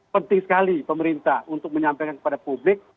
penting sekali pemerintah untuk menyampaikan kepada publik